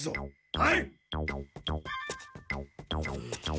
はい！